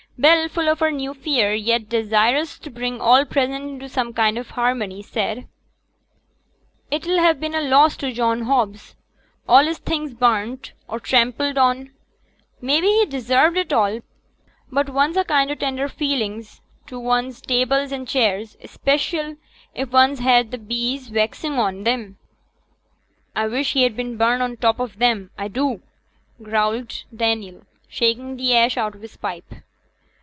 Bell, full of her new fear, yet desirous to bring all present into some kind of harmony, said, 'It'll ha' been a loss to John Hobbs all his things burnt, or trampled on. Mebbe he desarved it all, but one's a kind o' tender feeling to one's tables and chairs, special if one's had t' bees waxing on 'em.' 'A wish he'd been burnt on t' top on 'em, a do,' growled out Daniel, shaking the ash out of his pipe.